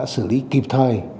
xử lý kịp thời